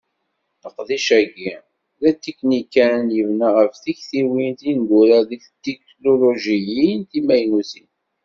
Leqdic-agi, d atiknikan yebna ɣef tiktiwin tineggura deg tetiknulujiyin timaynutin.